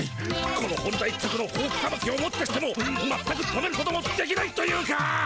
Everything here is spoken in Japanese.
この本田一直のホウキさばきをもってしてもまったく止めることもできないというか。